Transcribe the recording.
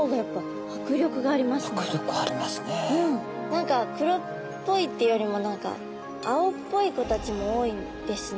何か黒っぽいっていうよりも何か青っぽい子たちも多いんですね。